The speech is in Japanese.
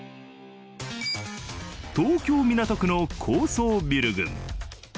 東京港区の高層ビル群。